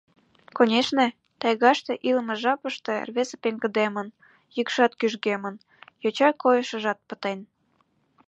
Конешне, тайгаште илыме жапыште рвезе пеҥгыдемын, йӱкшат кӱжгемын, йоча койышыжат пытен.